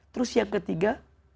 terus yang ketiga